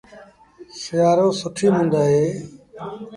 سيٚآرو سُٺيٚ مند اهي